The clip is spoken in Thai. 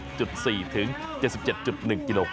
ความรู้สึกดีใจที่ได้มีโอกาสที่มาชุดที่มือใจหาที่นี่ครับ